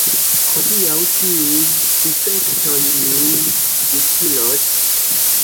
Hodiaŭ tiuj difektoj min utilos.